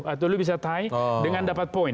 atau lu bisa tie dengan dapat poin